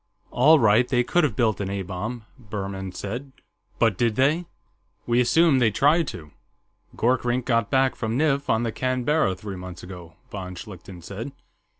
"All right, they could have built an A bomb," Buhrmann said. "But did they?" "We assume they tried to. Gorkrink got back from Nif on the Canberra, three months ago," von Schlichten said.